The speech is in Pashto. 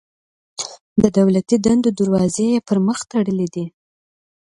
د دولتي دندو دروازې یې پر مخ تړلي دي.